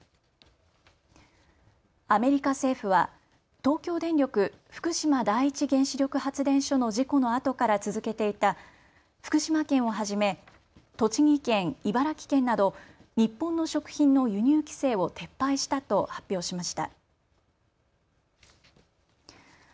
アメリカ政府は東京電力福島第一原子力発電所の事故のあとから続けていた福島県をはじめ栃木県、茨城県など日本の食品の輸入規制を撤廃したと発表しました。